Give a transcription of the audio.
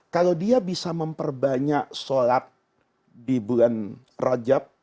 kalau dia bisa memperbanyak sholat di bulan rajab